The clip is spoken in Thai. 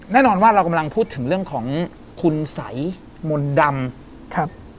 แน่นอนว่าเรากำลังพูดถึงเรื่องของคุณสัยมนต์ดำครับ